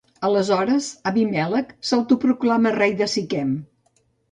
Aleshores Abimèlec s'autoproclamà rei de Siquem.